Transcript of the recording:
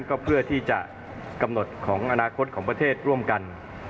ก็เพื่อที่จะกำหนดของอนาคตของประเทศร่วมกัน